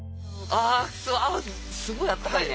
あすごいあったかいね。